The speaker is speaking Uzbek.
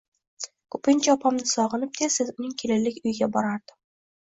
Ko`pincha opamni sog`inib, tez-tez uning kelinlik uyiga borardim